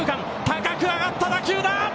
高く上がった打球だ！